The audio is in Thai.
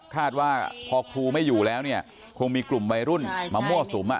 คาดว่าพอครูไม่อยู่แล้วเนี่ยคงมีกลุ่มวัยรุ่นมามั่วสุม